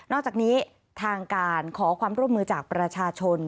อกจากนี้ทางการขอความร่วมมือจากประชาชน